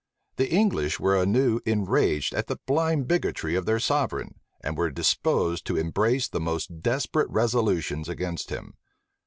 The English were anew enraged at the blind bigotry of their sovereign, and were disposed to embrace the most desperate resolutions against him.